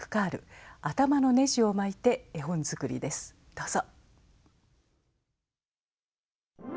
どうぞ。